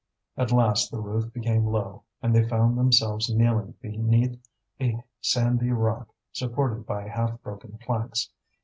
At last the roof became low, and they found themselves kneeling beneath a sandy rock supported by half broken planks.